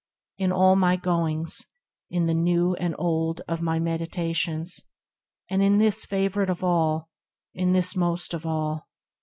In all my goings, in the new and old Of all my meditations, and in this Favourite of all, in this the most of all.